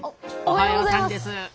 おはようさんです。